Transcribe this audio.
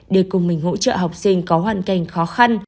để cùng mình hỗ trợ học sinh có hoàn cảnh khó khăn